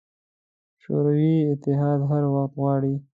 شوروي اتحاد هر وخت غواړي.